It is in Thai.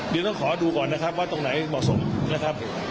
เดี๋ยวต้องขอดูก่อนว่าตรงไหนเหมาะสม